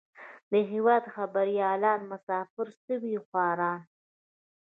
د هېواد خبريالان مسافر سوي خواران.